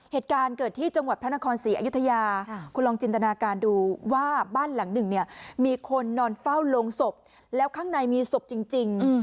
เหตุการณ์เกิดที่จังหวัดพระนครศรีอยุธยาคุณลองจินตนาการดูว่าบ้านหลังหนึ่งเนี่ยมีคนนอนเฝ้าโรงศพแล้วข้างในมีศพจริง